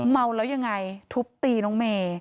เมาแล้วยังไงทุบตีน้องเมย์